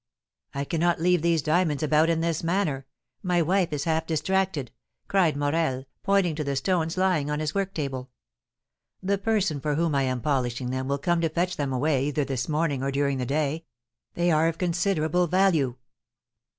"I cannot leave these diamonds about in this manner, my wife is half distracted," cried Morel, pointing to the stones lying on his work table. "The person for whom I am polishing them will come to fetch them away either this morning or during the day. They are of considerable value."